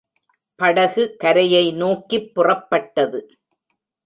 படகு கரையை நோக்கிப் புறப்பட்டது.